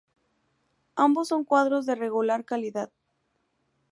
Ambos son cuadros de regular calidad.